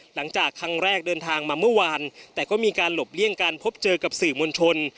หลังจากครั้งแรกเดินทางมาเมื่อวานแต่ก็มีการหลบเลี่ยงการพบเจอกับสื่อมวลชน